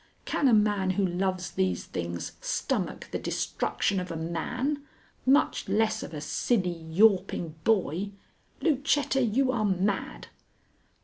Can a man who loves these things stomach the destruction of a man, much less of a silly, yawping boy? Lucetta, you are mad!"